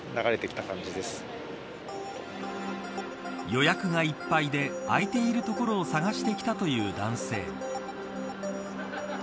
予約がいっぱいで、開いている所を探してきたという男性。